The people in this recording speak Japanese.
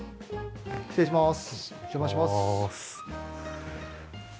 失礼します。